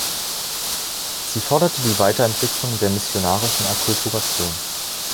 Sie forderte die Weiterentwicklung der missionarischen Akkulturation.